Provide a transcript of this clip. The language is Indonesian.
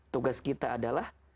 tugas kita adalah